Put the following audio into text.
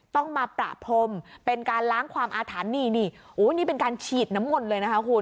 ต้องมาประพรมเป็นการล้างความอาถรรพ์นี่นี่โอ้นี่นี่เป็นการฉีดน้ำมนต์เลยนะคะคุณ